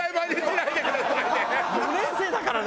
４年生だからね。